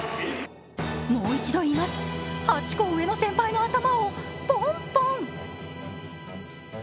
もう一度言います、８個上の先輩の頭をポンポン。